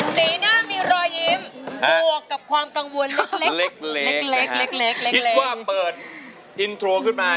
ซีน่ะ